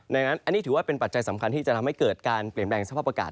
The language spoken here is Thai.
ดังนั้นอันนี้ถือว่าเป็นปัจจัยสำคัญที่จะทำให้เกิดการเปลี่ยนแปลงสภาพอากาศ